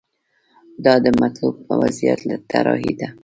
دا د مطلوب وضعیت طراحي ده.